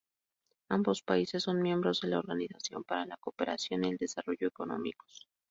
Ambos países son miembros de la Organización para la Cooperación y el Desarrollo Económicos.